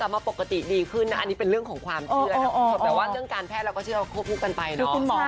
กลับมาปกติดีขึ้นอันนี้เป็นเรื่องของความชื่ออะไรแหละว่าเยื่องการแพทย์แล้วก็จะโคปรุกันไปเนาะ